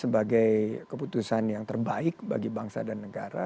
sebagai keputusan yang terbaik bagi bangsa dan negara